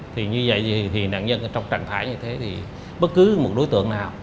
thì như vậy thì nạn nhân ở trong trạng thái như thế thì bất cứ một đối tượng nào